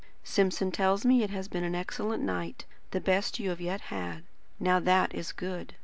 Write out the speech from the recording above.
Simpson tells me it has been an excellent night, the best you have yet had. Now that is good.